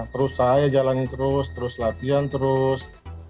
terus saya jalanin terus terus latihan terus